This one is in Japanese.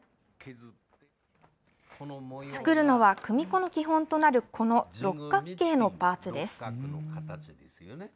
作るのは組子の基本となる、この六角形のパーツです。